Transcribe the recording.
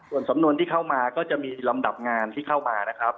ส่วนสำนวนที่เข้ามาก็จะมีลำดับงานที่เข้ามานะครับ